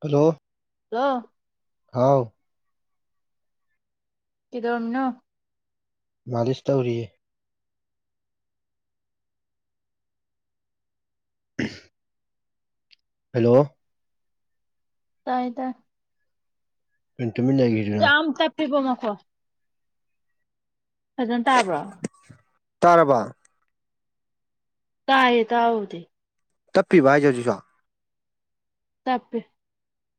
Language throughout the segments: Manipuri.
ꯍꯜꯂꯣ ꯂꯣ ꯍꯥꯎ ꯏꯣ ꯃꯥꯂꯤꯁ ꯇꯧꯔꯤꯌꯦ ꯍꯜꯂꯣ ꯇꯥꯏꯗ ꯃꯤꯇꯃꯤꯖꯒꯦ ꯌꯥꯝ ꯑꯃ ꯇꯞꯄꯤꯕꯣ ꯃꯈꯀꯣ ꯐꯖꯅ ꯇꯥꯕ꯭ꯔꯣ ꯇꯥꯔꯕ ꯇꯥꯌꯦ ꯇꯥꯎꯗꯤꯦ ꯇꯞꯄꯤꯕ ꯍꯥꯏꯖ ꯍꯧꯁꯤ ꯁꯣ ꯇꯄꯨ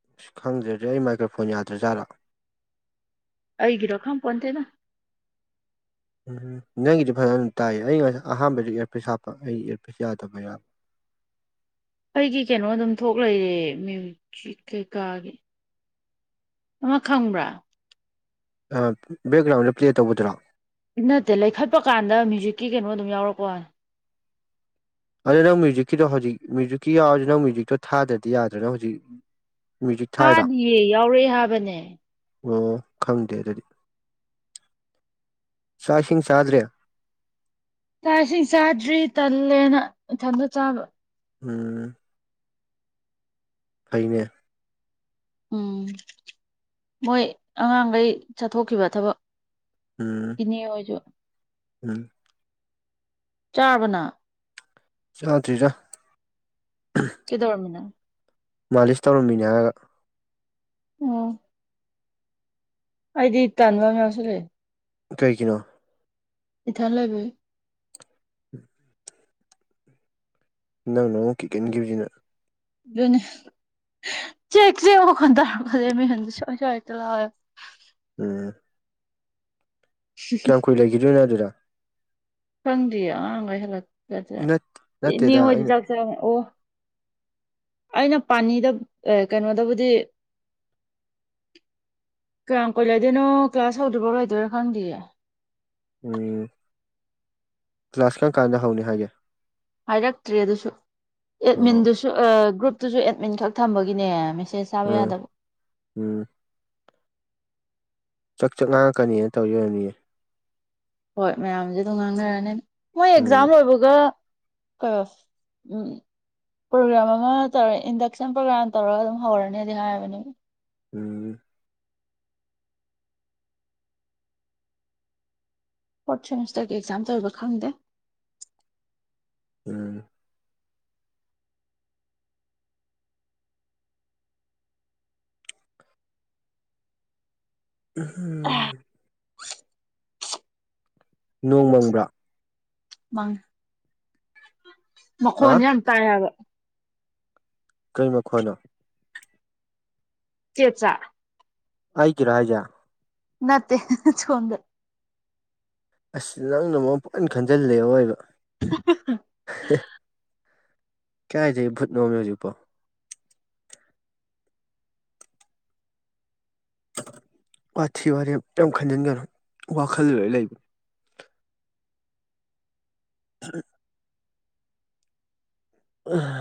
ꯑꯁ ꯈꯪꯗ꯭ꯔꯗꯤ ꯑꯩ ꯃꯥꯏꯀ꯭ꯔꯣꯐꯣꯟ ꯌꯥꯗ꯭ꯔꯖꯥꯔꯥ ꯑꯩꯒꯤꯔꯣ ꯈꯪꯄꯣꯟꯟꯇꯦꯅ ꯎꯝ ꯅꯪꯒꯤꯗꯤ ꯐꯖꯅ ꯇꯥꯏꯌꯦ ꯑꯩ ꯉꯁ ꯑꯍꯥꯟꯕꯗ ꯏꯌꯥꯔꯄꯁ ꯍꯥꯞꯄ ꯑꯩ ꯏꯌꯥꯔꯄꯁ ꯌꯥꯗꯕ ꯌꯥꯕ ꯑꯩꯒꯤ ꯀꯩꯅꯣ ꯑꯗꯨꯝ ꯊꯣꯛ ꯂꯩꯔꯦ ꯃ꯭ꯌꯨꯖꯤꯛ ꯀꯩꯀꯥꯒꯤ ꯑꯃ ꯈꯪꯕ꯭ꯔꯥ ꯕꯦꯛꯒ꯭ꯔꯥꯎꯟꯗ ꯄ꯭ꯂꯦ ꯇꯧꯕꯒꯗ꯭ꯔꯣ ꯁꯤ ꯅꯠꯇꯦ ꯂꯩꯈꯠꯄ ꯀꯥꯟꯗ ꯃ꯭ꯌꯨꯖꯤꯛꯀꯤ ꯀꯩꯅꯣ ꯑꯗꯨꯝ ꯌꯥꯎꯔꯛꯄꯣ ꯑꯗꯣ ꯅꯪ ꯃ꯭ꯌꯨꯖꯤꯛꯀꯤꯗꯣ ꯍꯧꯖꯤꯛ ꯃ꯭ꯌꯨꯖꯤꯛꯀꯤ ꯌꯥꯎꯔꯁꯨ ꯅꯪ ꯃ꯭ꯌꯨꯖꯤꯛꯇꯣ ꯊꯗ꯭ꯔꯗꯤ ꯌꯥꯗ꯭ꯔꯅ ꯍꯧꯖꯤꯛ ꯃ꯭ꯌꯨꯖꯤꯛ ꯊꯥꯏꯔꯣ ꯍꯥꯗꯤꯌꯦ ꯌꯥꯎꯔꯛꯑꯦ ꯍꯥꯕꯅꯦ ꯑꯣ ꯈꯪꯗꯦ ꯑꯗꯨꯗꯤ ꯆꯥꯛ ꯏꯁꯤꯡ ꯆꯥꯗ꯭ꯔꯦ ꯆꯥꯛ ꯏꯁꯤꯡ ꯆꯥꯗ꯭ꯔꯤ ꯇꯜꯂꯦꯅ ꯏꯊꯟꯇ ꯆꯥꯕ ꯎꯝ ꯐꯅꯦ ꯎꯝ ꯃꯣꯏ ꯑꯉꯥꯡꯈꯩ ꯆꯠꯊꯣꯛꯈꯤꯕ ꯊꯕꯛ ꯎꯝ ꯏꯅꯦ ꯑꯣꯏꯖꯨ ꯎꯝ ꯆꯥꯔꯕ ꯅꯪ ꯆꯥꯗ꯭ꯔꯤꯗ ꯀꯩꯗꯧꯔꯝꯃꯤꯅꯣ ꯃꯥꯂꯤꯁ ꯇꯧꯔꯝꯃꯤꯅꯦ ꯍꯥꯏꯔꯒ ꯑꯣ ꯑꯩꯗꯤ ꯇꯥꯟꯕ ꯑꯃ ꯌꯥꯎꯁꯤꯟꯂꯥꯛꯌꯦ ꯀꯩꯒꯤꯅꯣ ꯏꯊꯥꯟ ꯂꯩꯕꯩ ꯅꯪꯅ ꯑꯃꯨꯛ ꯀꯤꯛꯀꯟꯈꯤꯕꯁꯤꯅ ꯑꯗꯨꯅꯦ ꯆꯦ ꯆꯦ ꯃꯈꯣꯟ ꯇꯥꯔꯛꯕꯁꯦ ꯃꯤꯍꯨꯜꯁꯦ ꯁꯨꯋꯥꯢ ꯁꯨꯋꯥꯢ ꯍꯦꯛꯑ ꯂꯧꯋꯤ ꯎꯝ ꯀꯌꯥꯝ ꯀꯨꯏ ꯂꯩꯈꯤꯗꯣꯏꯅꯣ ꯑꯗꯨꯗ ꯈꯪꯗ꯭ꯔꯤꯌꯦ ꯑꯉꯥꯡꯈꯩ ꯍꯜꯂꯛꯗꯔꯤ ꯅꯠ ꯢꯅꯦ ꯅꯠꯇꯦꯗ ꯍꯣꯢꯗꯤ ꯑꯩꯅ ꯆꯥꯛ ꯑꯣ ꯑꯩꯅ ꯄꯥꯅꯤꯗ ꯀꯩꯅꯣꯗꯕꯨꯗꯤ ꯀꯌꯥꯝ ꯀꯣꯏ ꯂꯩꯗꯣꯏꯅꯣ ꯀ꯭ꯂꯥꯁ ꯍꯧꯗ꯭ꯔꯤꯐꯥꯎ ꯂꯩꯗꯣꯏꯔꯥ ꯈꯪꯗꯦ ꯎꯝ ꯀ꯭ꯂꯥꯁ ꯀꯔꯝꯀꯥꯟꯗ ꯍꯧꯅꯤ ꯍꯥꯏꯒꯦ ꯍꯥꯏꯔꯛꯇ꯭ꯔꯦ ꯑꯗꯨꯁꯨ ꯑꯦꯠꯃꯤꯟꯗꯨꯁꯨ ꯒ꯭ꯔꯨꯞꯇꯨꯁꯨ ꯑꯦꯠꯃꯤꯟ ꯈꯛ ꯊꯝꯕꯒꯤꯅꯦ ꯃꯦꯁꯦꯁ ꯑꯥ ꯎꯝ ꯆꯥꯛ ꯆꯥꯛ ꯉꯥꯡꯉꯛꯀꯅꯤꯅ ꯇꯧꯔꯤ ꯑꯣꯢꯔꯝꯅꯤꯌꯦ ꯍꯣꯏ ꯃꯌꯥꯝꯁꯦ ꯑꯗꯨꯝ ꯉꯥꯡꯅꯔꯅꯤ ꯃꯣꯏ ꯎꯝ ꯑꯦꯛꯖꯥꯝ ꯂꯣꯏꯕꯒ ꯀꯩꯕ ꯎꯝ ꯄ꯭ꯔꯣꯒ꯭ꯔꯥꯝ ꯑꯃ ꯇꯧꯔ ꯏꯟꯗꯛꯁꯟ ꯄ꯭ꯔꯣꯒ꯭ꯔꯥꯝ ꯇꯧꯔꯒ ꯑꯗꯨꯝ ꯍꯧꯔꯅꯤ ꯑꯗꯨꯝ ꯍꯥꯏꯕꯅꯦ ꯎꯝ ꯐꯣꯔꯠ ꯁꯦꯃꯤꯁꯇꯔꯒꯤ ꯑꯦꯛꯖꯥꯝ ꯇꯧꯔꯤꯕ ꯈꯪꯗꯦ ꯎꯝ ꯎꯝ ꯅꯣꯡ ꯃꯪꯕ꯭ꯔꯥ ꯃꯪꯉꯦ ꯑ ꯃꯈꯣꯟꯁꯦ ꯌꯥꯝ ꯇꯥꯏꯌꯦꯕ ꯀꯩ ꯃꯈꯣꯟꯅꯣ ꯆꯦ ꯆꯥ ꯑꯩ ꯀꯤꯔ ꯍꯥꯢꯁꯦ ꯅꯠꯇꯦ ꯁꯣꯝꯗ ꯑꯁ ꯅꯪꯅ ꯃꯔꯣꯟ ꯑꯃ ꯄꯪꯈꯥꯜ ꯈꯟꯖꯤꯜꯂꯦ ꯑꯑꯣꯢꯕ [inaudible] ꯀꯥꯢꯗꯩ ꯚꯨꯠꯅꯣ ꯍꯧꯖꯤꯛꯄꯣ ꯄꯥꯊꯤ ꯋꯥꯔꯦꯝ ꯌꯥꯝ ꯈꯟꯖꯤꯟꯒꯅꯨ ꯋꯥꯈꯜꯗ ꯂꯣꯏ ꯂꯩꯕꯅꯤ ꯐ [inaudible] ꯎ [inaudible]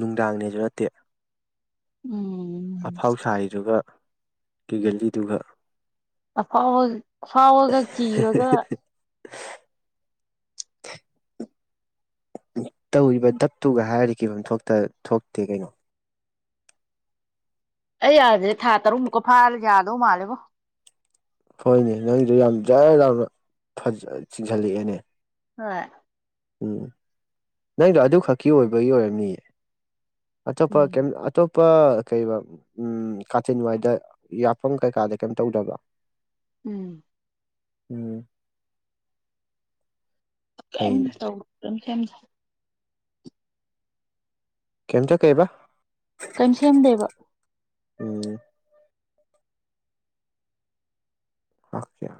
ꯅꯨꯡꯗꯥꯡꯅꯦꯁꯨ ꯅꯠꯇꯦ ꯎꯝ ꯑꯐꯥꯎ ꯁꯥꯏꯗꯨꯒ ꯀꯤꯒꯜꯂꯤꯗꯨꯒ ꯑꯐꯥꯎꯕ ꯐꯥꯎꯕꯒ ꯀꯤꯕꯒ ꯇꯧꯔꯤꯕ ꯗꯞꯇꯨꯒ ꯍꯥꯏꯔ ꯀꯤꯐꯝ ꯊꯣꯛꯇꯦ ꯊꯣꯛꯇꯦ ꯀꯩꯅꯣ ꯑꯩ ꯌꯥꯗ꯭ꯔꯦ ꯊꯥ ꯇꯔꯨꯛꯃꯨꯛꯀ ꯐꯥꯔ ꯌꯥꯗꯧ ꯃꯥꯜꯂꯦꯕꯣ ꯍꯣꯏꯅꯦ ꯅꯪꯗꯨ ꯌꯥꯝ ꯖꯔ ꯌꯥꯝꯅ ꯆꯤꯡꯁꯤꯜꯂꯛꯑꯦꯅꯦ ꯍꯣꯏ ꯎꯝ ꯅꯪꯗꯣ ꯑꯗꯨ ꯈꯛꯀꯤ ꯑꯣꯏꯕꯒꯤ ꯑꯣꯏꯔꯝꯃꯤꯌꯦ ꯑꯇꯣꯞꯄ ꯎꯝ ꯀ ꯑꯇꯣꯞꯄ ꯀꯩ ꯎꯝ ꯀꯥꯆꯤꯟ ꯅꯋꯥꯏꯗ ꯌꯥꯐꯝ ꯀꯩꯀꯥꯗ ꯀꯩꯝ ꯇꯧꯗꯕ꯭ꯔꯥ ꯎꯝ ꯎꯝ ꯀꯩꯝ ꯐꯩꯅꯦ ꯇꯧꯕ ꯑꯗꯨꯝ ꯁꯦꯝꯅꯦ ꯀꯝꯇ ꯀꯩꯕꯥ ꯀꯔꯤꯝ ꯁꯦꯝꯗꯦꯕ ꯎꯝ ꯑꯥꯛꯀꯤꯌꯥ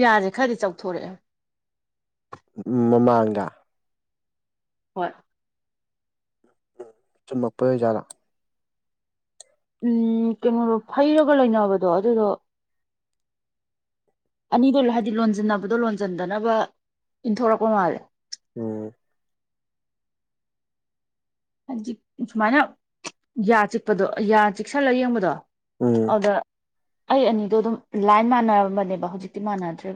ꯌꯥꯔꯦ ꯈꯔꯗꯤ ꯆꯥꯎꯊꯣꯔꯛꯑꯦ ꯎ ꯃꯃꯥꯡꯒ ꯍꯣꯏ ꯆꯨꯝꯃꯛꯄ ꯑꯣꯏ ꯖꯥꯂꯥ ꯎꯝ ꯀꯩꯅꯣꯗꯣ ꯐꯩꯔꯒ ꯂꯩꯅꯕꯗꯣ ꯑꯗꯨꯗꯣ ꯑꯅꯤꯗꯣ ꯍꯥꯏꯗꯤ ꯂꯣꯟꯁꯤꯟꯅꯕꯗꯣ ꯂꯣꯟꯁꯤꯟꯗꯅꯕ ꯏꯟꯊꯣꯔꯛꯄ ꯃꯥꯜꯂꯦ ꯎꯝ ꯍꯧꯖꯤ ꯁꯨꯃꯥꯏꯅ ꯌꯥ ꯆꯤꯛꯄꯗꯣ ꯌꯥ ꯆꯤꯛꯁꯜꯂ ꯌꯦꯡꯕꯗꯣ ꯎꯝ ꯑꯗ ꯑꯩ ꯑꯅꯤꯗꯣ ꯑꯗꯨꯝ ꯂꯥꯏꯟ ꯃꯥꯟꯅꯔꯝꯕꯅꯦꯕ ꯍꯧꯖꯤꯛꯇꯤ ꯃꯥꯟꯅꯗ꯭ꯔꯦ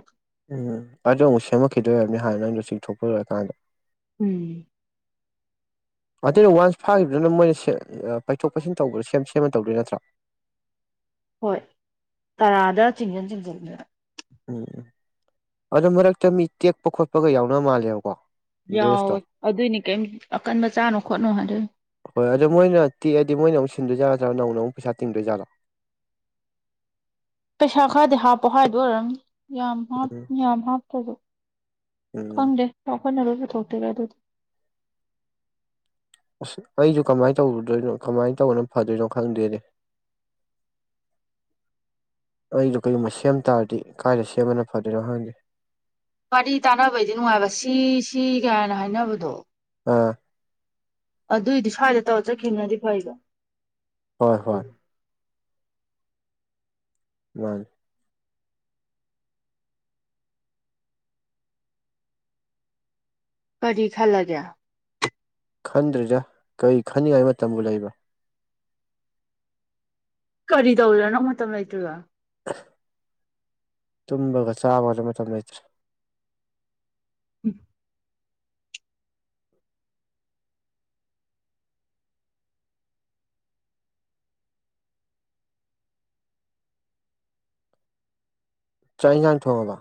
ꯎꯝ ꯑꯗꯣ ꯑꯃꯨꯛ ꯁꯦꯝꯃꯛꯈꯤꯗꯣꯏꯔꯕꯅꯤ ꯍꯥꯏꯅ ꯅꯪꯗꯣ ꯆꯤꯡꯊꯣꯛꯄ ꯂꯣꯏꯔꯀꯥꯟꯗ ꯎꯝ ꯑꯗꯨꯩꯅ ꯋꯥꯟꯁ ꯐꯥꯈꯤꯕꯗꯨꯅ ꯃꯣꯏꯅ ꯄꯩꯊꯣꯛ ꯄꯩꯁꯤꯟ ꯇꯧꯕꯗ ꯁꯦꯝ ꯁꯦꯝꯃ ꯇꯧꯗꯣꯏ ꯅꯠꯇ꯭ꯔꯣ ꯍꯣꯏ ꯇꯔꯥꯗ ꯆꯤꯡꯖꯟ ꯆꯤꯡꯁꯤꯟꯗꯨꯅ ꯎꯝ ꯎꯝ ꯑꯗꯨꯗꯣ ꯃꯔꯛꯇ ꯃꯤ ꯇꯦꯛꯄ ꯈꯣꯠꯄꯒ ꯌꯥꯎꯅꯕ ꯃꯥꯜꯂꯦꯕꯀꯣ ꯕ꯭ꯔꯦꯁꯇꯣ ꯌꯥꯎꯋꯦ ꯑꯗꯨꯏꯅꯤ ꯀꯩꯝ ꯑꯀꯟꯕ ꯆꯥꯅꯣ ꯈꯣꯠꯅꯣ ꯍꯥꯏꯣꯏ ꯍꯣꯏ ꯑꯗꯣ ꯃꯣꯏꯅ ꯇꯛꯑꯗꯤ ꯃꯣꯏꯅꯨꯛ ꯁꯤꯟꯗꯣꯏ ꯌꯥꯠꯗ꯭ꯔꯥ ꯅꯧꯅ ꯑꯃꯨꯛ ꯄꯩꯁꯥ ꯇꯤꯡꯗꯣꯏꯖꯠꯣ ꯄꯩꯁꯥ ꯈꯔꯗꯤ ꯍꯥꯞꯄꯣ ꯍꯥꯏꯗꯣ ꯑꯣꯏꯔꯝꯅꯤ ꯌꯥꯝ ꯍꯥ ꯎꯝ ꯌꯥꯝ ꯍꯥꯞꯇ꯭ꯔꯁꯨ ꯎꯝ ꯈꯪꯗꯦ ꯆꯥꯎꯈꯣꯏꯅꯔꯕ ꯊꯣꯛꯇꯦꯔ ꯑꯗꯨꯗꯤ ꯑꯁ ꯑꯩꯁꯨ ꯀꯃꯥꯏꯅ ꯇꯧꯗꯣꯏꯅꯣ ꯀꯃꯥꯏꯅ ꯇꯧꯕꯅꯣ ꯐꯗꯣꯏꯅꯣ ꯈꯪꯗꯦꯗꯤ ꯑꯩꯗꯣ ꯀꯩꯒꯨꯝꯕ ꯁꯦꯝ ꯇꯥꯔꯗꯤ ꯀꯥꯏꯗ ꯁꯦꯝꯕꯅ ꯐꯗꯣꯏꯅꯣ ꯍꯪꯗꯦ ꯋꯥꯔꯤ ꯇꯥꯅꯕꯩꯗꯤ ꯅꯨꯡꯉꯥꯏꯕ ꯁꯤ ꯁꯤ ꯀꯥꯏꯅ ꯍꯥꯏꯅꯕꯗꯣ ꯑꯥ ꯑꯗꯨꯏꯗꯤ ꯁ꯭ꯋꯥꯏꯗ ꯇꯧꯔ ꯆꯈꯤꯕꯅꯗꯤ ꯐꯩꯕꯣ ꯍꯣꯏ ꯍꯣꯏ [unintelligible] ꯀꯔꯤ ꯈꯂꯒꯦ ꯈꯟꯗ꯭ꯔꯤꯗ ꯀꯔꯤ ꯈꯟꯅꯤꯡꯉꯥꯏ ꯃꯇꯝꯕꯨ ꯂꯩꯕ ꯀꯔꯤ ꯇꯧꯔꯅꯣ ꯃꯇꯝ ꯂꯩꯇ꯭ꯔꯤꯒ ꯇꯨꯝꯕꯒ ꯆꯥꯕꯗ ꯃꯇꯝ ꯂꯩꯇ꯭ꯔꯦ ꯎꯝ ꯆꯥꯛ ꯏꯟꯁꯥꯡ ꯊꯣꯡꯉꯕ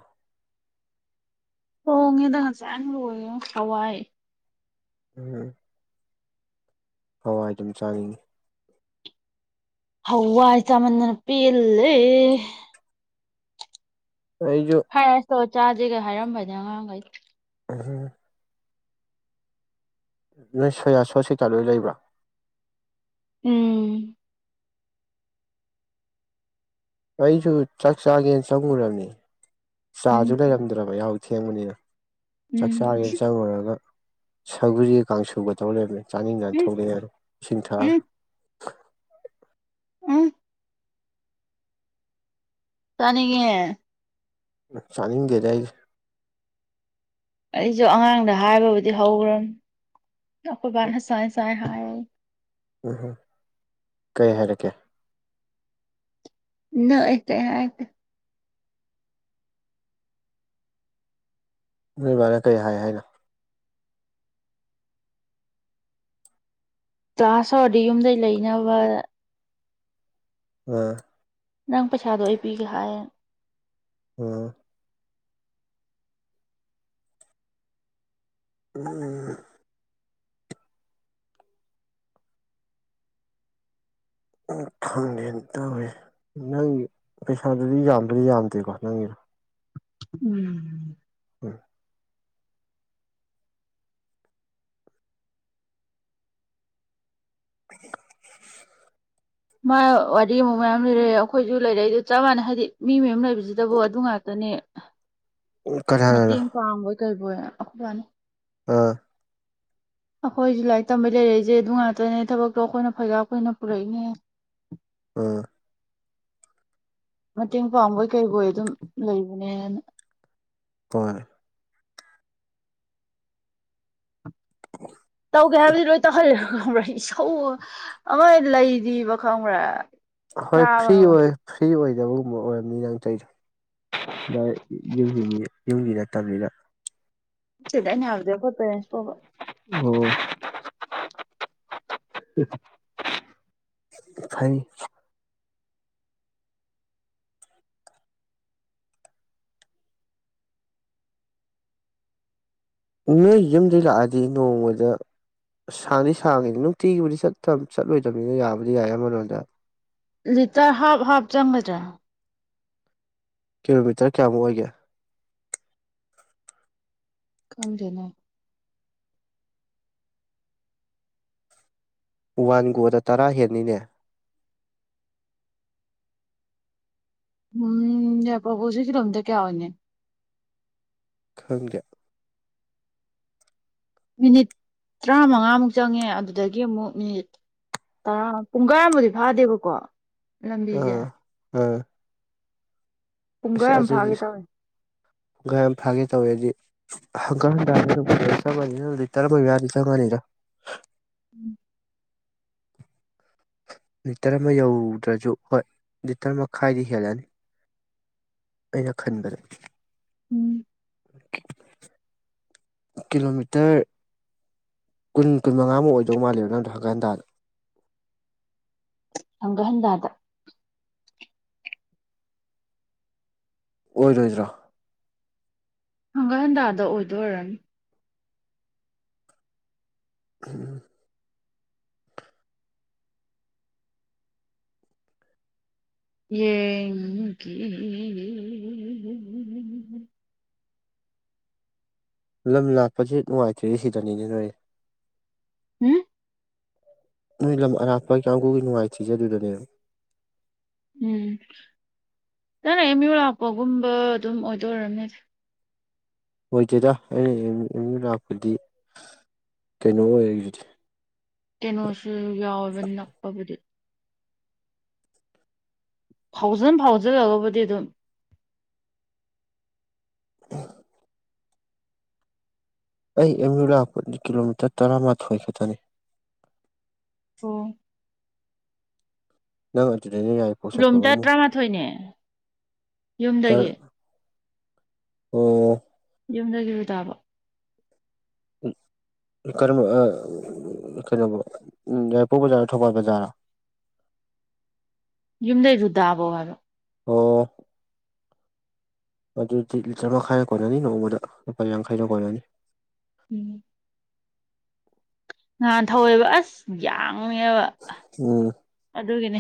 ꯍꯣꯡꯉꯦꯗ ꯍꯁꯥꯏꯅ ꯂ ꯍꯋꯥꯏ ꯎꯝ ꯍꯋꯥꯏ ꯑꯗꯨꯝ ꯆꯥꯈꯤꯅꯤ ꯍꯋꯥꯏ ꯆꯥꯃꯟꯅꯄꯤꯂꯦ ꯑꯩꯖꯣ ꯈꯥꯏ ꯑꯁꯇꯣ ꯆꯥꯁꯤꯦꯒ ꯍꯥꯏꯔꯝꯕꯅꯦ ꯑꯉꯥꯡꯈꯩ [unintelligible] ꯅꯣꯏ ꯁꯣꯌꯥꯁ ꯍꯣꯁꯄꯤꯇꯥꯜ ꯂꯣꯏ ꯂꯩꯕ꯭ꯔꯥ ꯎꯝ ꯑꯩꯁꯨ ꯆꯥꯛ ꯆꯥꯒꯦꯅ ꯆꯪꯉꯨꯨꯔꯅꯤ ꯆꯥꯁꯨ ꯎꯝ ꯂꯩꯔꯝꯗ꯭ꯔꯕ ꯌꯥꯍꯎ ꯊꯦꯡꯕꯅꯤꯅ ꯆꯥꯛ ꯎꯝ ꯆꯥꯥꯒ‌ꯦ ꯆꯪꯉꯨꯔꯒ ꯁꯧꯒꯔꯤꯒ ꯀꯥꯡꯁꯨꯒ ꯇꯧ ꯂꯩꯔꯝꯃ‌ꯦ ꯆꯥꯅꯤꯡꯗꯅ ꯎꯝ ꯊ‌ꯣꯛꯂꯛꯑꯦ ꯏꯁꯤꯡ ꯊꯛꯑꯒ ꯎꯝ ꯎꯝ ꯆꯥꯅꯤꯡꯉ‌ꯦ ꯆꯥꯅꯤꯡꯗ‌ꯦꯗ ꯑꯩꯗꯤ ꯑꯩꯁꯨ ꯑꯉꯥꯡꯗ ꯍꯥꯏꯕꯕꯨꯗꯤ ꯍꯧꯈ꯭ꯔꯕꯅꯤ ꯑꯩꯈꯣꯏ ꯕꯥꯅ ꯁꯨꯃꯥꯏ ꯁꯨꯃꯥꯏ ꯍꯥꯏ ꯎꯝꯍꯣꯏ ꯀꯩ ꯍꯥꯏꯔꯛꯀꯦ ꯅ‌ꯣ ꯍ‌ꯦꯛꯇ ꯍꯥꯏ ꯅ‌ꯣꯏ ꯕꯥꯅ ꯀꯩ ꯍꯥꯏ ꯍꯥꯏꯅꯣ ꯀ꯭ꯂꯥꯁ ꯍꯧꯔꯗꯤ ꯌꯨꯝꯗꯩ ꯂꯩꯅꯕꯅ ꯑꯥ ꯅꯪ ꯄꯩꯁꯥꯗꯣ ꯑꯩ ꯄꯤꯒꯦ ꯍꯥꯏ ꯎꯝ [unintelligible] ꯎ ꯈꯪꯗꯦꯅ‌ꯦ ꯇꯧꯔꯤꯁ‌ꯦ ꯅꯪꯒꯤ ꯄꯩꯁꯥꯗꯨꯗꯤ ꯌꯥꯝꯕꯨꯗꯤ ꯌꯥꯝꯗꯦꯀꯣ ꯅꯪꯒꯤꯗꯣ ꯎꯝ [unintelligible] [unintelligible] ꯃꯥ ꯋꯥꯔꯤ ꯑꯃꯨꯛ ꯃꯌꯥꯝ ꯂꯤꯔꯛꯑꯦ ꯑꯩꯈꯣꯏꯁꯨ ꯂꯩꯔꯛꯏꯁ‌ꯦ ꯆꯞ ꯃꯥꯟꯅꯩ ꯍꯥꯏꯗꯤ ꯃꯤ ꯃꯌꯨꯝ ꯂꯩꯕꯁꯤꯗꯕꯨ ꯑꯗꯨ ꯉꯥꯛꯇꯅꯦ ꯀꯅꯥꯅꯅꯣ ꯃꯇꯦꯡ ꯄꯥꯡꯕꯣꯏ ꯀꯩꯕꯣꯏ ꯑꯩꯈꯣꯏꯕꯥꯅ ꯑꯥ ꯑꯩꯈꯣꯏꯁꯨ ꯂꯥꯏꯔꯤꯛ ꯇꯝꯕꯩ ꯂꯩꯔꯛꯏꯁꯦ ꯑꯗꯨ ꯉꯥꯛꯇꯅꯦ ꯊꯕꯛꯇꯣ ꯑꯩꯈꯣꯏꯅ ꯐꯩꯒꯥꯛ ꯐꯩꯅ ꯄꯨꯔꯛꯏꯅꯦ ꯑꯥ ꯃꯇꯦꯡ ꯄꯥꯡꯕꯣꯏ ꯀꯩꯕ‌ꯣꯏ ꯑꯗꯨꯝ ꯂꯩꯕꯅꯦꯅ ꯍ‌ꯣꯏ ꯇꯧꯒꯦ ꯍꯥꯏꯕꯗꯤ ꯂꯣꯏ ꯇꯧꯍꯜꯂ‌ꯦ ꯈꯪꯕ꯭ꯔꯥ ꯏꯁꯧ ꯑꯃ ꯂꯩꯔꯤꯕ ꯈꯪꯕ꯭ꯔ ꯍꯣꯏ ꯐ꯭ꯔꯤ ꯑꯣꯏ ꯐ꯭ꯔꯤ ꯑꯣꯏꯗꯕꯒꯨꯝꯕ ꯑꯣꯏꯔꯝꯅꯤ ꯅꯪ ꯇꯧꯔꯤꯗ‌ꯣ ꯍ‌ꯣꯏ ꯌꯨꯝ ꯌꯨꯝꯒꯤ ꯅꯠꯇꯕꯅꯤꯅ ꯅꯠꯇ‌ꯦꯗ ꯑꯩꯅ ꯍꯥꯏꯕꯗꯤ ꯑꯩꯈ‌ꯣꯏ ꯄ‌ꯦꯔ‌ꯦꯟꯁ ꯀꯧ [unintelligible] [unintelligible] ꯅ‌ꯣꯏ ꯌꯨꯝꯗꯒꯤ ꯂꯥꯛꯑꯗꯤ ꯅꯣꯡꯃꯗ ꯁꯥꯡꯗꯤ ꯁꯥꯡꯉꯤ ꯅꯨꯡꯇꯤꯒꯤꯕꯨꯗꯤ ꯆꯠꯇ ꯆꯠꯂꯣꯏꯗꯕꯅꯤꯅ ꯌꯥꯕꯨꯗꯤ ꯌꯥꯏ ꯑꯃꯔꯣꯝꯗ ꯂꯤꯇꯔ ꯍꯥꯞ ꯍꯥꯞ ꯆꯪꯒꯗ꯭ꯔꯥ ꯀꯤꯂꯣꯃꯤꯇꯔ ꯀꯌꯥꯃꯨꯛ ꯑꯣꯏꯒꯦ ꯈꯪꯗ‌ꯦꯅ‌ꯦ ꯋꯥꯟ ꯒꯣꯗ ꯇꯔꯥ ꯍꯦꯟꯅꯤꯅꯦ ꯎꯝ ꯌꯥꯏꯔꯤꯄ‌ꯣꯛ ꯐꯧꯁ‌ꯦ ꯀꯤꯂꯣꯃꯤꯇꯔ ꯀꯌꯥ ꯑꯣꯏꯅꯤ ꯈꯪꯗꯦ ꯃꯤꯅꯤꯠ ꯇꯔꯥꯃꯉꯥꯃꯨꯛ ꯆꯪꯉꯦ ꯑꯗꯨꯗꯒꯤ ꯑꯃꯨꯛ ꯃꯤꯅꯤꯠ ꯇꯔꯥ ꯄꯨꯡꯈꯥꯏ ꯑꯃꯕꯨꯗꯤ ꯐꯥꯗꯦꯕꯀꯣ ꯂꯝꯕꯤꯁꯦ ꯑꯥ ꯑꯥ ꯑꯁ ꯄꯨꯡꯈꯥꯏ ꯑꯃ ꯑꯗꯨꯗꯤ ꯐꯥꯒꯦ ꯇꯧꯋꯦ ꯄꯨꯡꯈꯥꯏ ꯑꯃ ꯐꯥꯒꯦ ꯇꯧꯋꯦꯗꯤ ꯍꯪꯒꯠ ꯍꯟꯗ [unintelligible] ꯅꯪ ꯂꯤꯇꯔ ꯑꯃ ꯃꯌꯥꯗꯤ ꯆꯪꯉꯅꯤ [inaudible] ꯂꯤꯇꯔ ꯑꯃ ꯌꯧꯗ꯭ꯔꯁꯨ ꯍꯣꯏ ꯂꯤꯇꯔ ꯃꯈꯥꯏꯗꯤ ꯍꯦꯜꯂꯅꯤ ꯑꯩꯅ ꯈꯟꯕꯗ ꯎꯝ ꯀꯤꯂꯣꯃꯤꯇꯔ ꯀꯨꯟ ꯀꯨꯟ ꯃꯉꯥꯃꯨꯛ ꯑꯣꯏꯗꯧ ꯃꯥꯜꯂ‌ꯦꯕ ꯅꯪꯗꯣ ꯍꯪꯒꯠ ꯍꯟꯗꯥꯗ ꯍꯪꯒꯠ ꯍꯟꯗꯥꯗ ꯑꯣꯏꯔꯣꯏꯗꯔꯣ ꯍꯪꯒꯥ ꯍꯟꯇꯥꯗ ꯑꯣꯏꯗꯣꯏꯔꯅꯤ ꯎꯝ ꯌꯦ ꯂꯝ ꯂꯥꯛꯄꯁꯦ ꯅꯨꯡꯉꯥꯏꯇ꯭ꯔꯤꯦ ꯁꯤꯗꯅꯤꯅꯦ ꯅꯣꯏ ꯎꯝ ꯅꯣꯏ ꯂꯝ ꯑꯔꯥꯞꯄ ꯀꯥꯡꯕꯨꯨꯒꯤ ꯅꯨꯡꯉꯥꯏꯇꯖꯦ ꯑꯗꯨꯗꯨꯅꯦꯕ ꯎꯝ ꯅꯅ ꯑꯦꯝ ꯌꯨ ꯂꯥꯛꯄꯒꯨꯝꯕ ꯑꯗꯨꯝ ꯑꯣꯏꯗꯣꯏꯔꯕꯅꯦ ꯑꯣꯏꯗꯦꯗ ꯑꯩꯅ ꯑꯦꯝ ꯌꯨ ꯂꯥꯛꯄꯗꯤ ꯀꯩꯅꯣ ꯑꯣꯏꯔꯗꯨꯗꯤ ꯀꯩꯅꯣꯁꯨ ꯌꯥꯎꯋꯦꯕ ꯅꯛꯄꯕꯨꯗꯤ ꯐꯥꯎꯖꯟ ꯐꯥꯎꯖꯤꯜꯂꯒꯕꯨꯗꯤ ꯑꯗꯨꯝ ꯎ ꯑꯩ ꯑꯦꯝ ꯌ ꯂꯥꯛꯄꯗꯤ ꯀꯤꯂꯣꯃꯤꯇꯔ ꯇꯔꯥꯃꯥꯊꯣꯏ ꯈꯛꯇꯅꯤ ꯇꯣ ꯅꯪ ꯑꯗꯨꯗꯅꯤ ꯌꯥꯏ ꯀꯤꯂꯣꯃꯤꯇꯔ ꯇꯔꯥꯃꯥꯊꯣꯏꯅꯦ ꯌꯨꯝꯗꯒꯤ ꯑꯣ ꯌꯨꯝ ꯌꯔꯨ ꯇꯥꯕ ꯀꯝꯕ ꯀꯩꯅꯣꯧꯕ ꯌꯥꯏꯄꯣꯛ ꯕꯖꯥꯔ ꯊꯧꯕꯥꯜ ꯕꯖꯥꯔ ꯌꯨꯝꯗꯩ ꯔꯨꯗꯥꯕꯧ ꯍꯥꯏꯕ ꯑꯣ ꯑꯗꯨꯗꯤ ꯂꯤꯇꯔ ꯃꯈꯥꯏꯅ ꯀꯣꯟꯅꯅꯤ ꯅꯣꯡꯃꯗ ꯂꯨꯄꯥ ꯌꯥꯡꯈꯩꯅ ꯀꯣꯟꯅꯅꯤ ꯎꯝ ꯉꯍꯥꯟ ꯊꯧꯋꯦꯕ ꯑꯁ ꯌꯥꯡꯉꯦꯕ ꯎꯝ ꯑꯗꯨꯒꯤꯅꯦ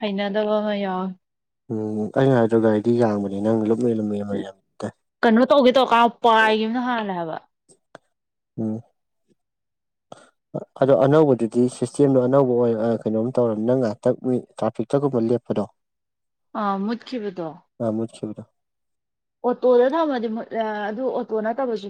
ꯍꯩꯅꯗꯕ ꯑꯃ ꯌꯥꯎꯋꯦ ꯎꯝ ꯑꯩꯩꯅ ꯍꯥꯏꯗ꯭ꯔꯣ ꯒꯥꯔꯤꯗꯤ ꯌꯥꯡꯕꯅꯦ ꯅꯪ ꯂꯨꯝꯃꯦ ꯂꯨꯝꯃꯤ ꯑꯃ ꯇꯥꯏ ꯀꯩꯅꯣ ꯇꯧꯒꯦ ꯇꯧꯔꯀꯥꯟ ꯄꯥꯏꯈꯤꯕ ꯑꯃꯅ ꯍꯥꯜꯂꯦ ꯍꯥꯏꯕ ꯎꯝ [unintelligible] ꯑꯗꯣ ꯑꯅꯧꯕꯗꯨꯗꯤ ꯁꯤꯁꯇꯦꯝꯗꯣ ꯑꯅꯧꯕ ꯑꯣꯏ ꯀꯩꯅꯣꯝ ꯇꯧꯔꯅꯤ ꯅꯪ ꯉ ꯇ꯭ꯔꯥꯐꯤꯛꯇꯒꯨꯝꯕ ꯂꯦꯞꯄꯗꯣ ꯑ ꯃꯠꯀꯤꯈꯤꯕꯗꯣ ꯑꯃꯈꯤꯕꯦꯕꯗꯣ ꯑꯣꯇꯣꯗ ꯊꯝꯃꯗꯤ ꯑꯗꯨ ꯑꯣꯇꯣ ꯅꯠꯇꯕꯁꯨ